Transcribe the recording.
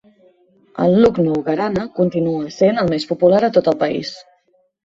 El Lucknow gharana continua essent el més popular a tot el país.